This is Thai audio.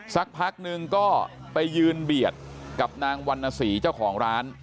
สักพักนึงก็ไปยืนเบียดกับนางวันนสีเจ้าของร้าน